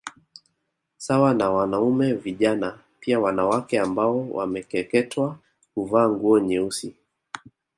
Sawa na wanaume vijana pia wanawake ambao wamekeketewa huvaa nguo nyeusi